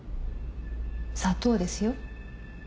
砂糖ですよ。